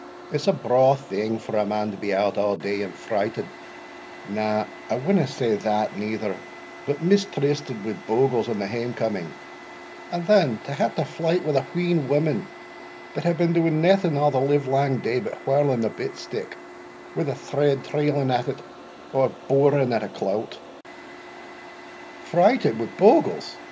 It's a braw thing for a man to be out a' day, and frighted na, I winna say that neither but mistrysted wi' bogles in the hame coming, an' then to hae to flyte wi' a wheen women that hae been doing naething a' the live lang day, but whirling a bit stick, wi' a thread trailing at it, or boring at a clout." "Frighted wi' bogles!"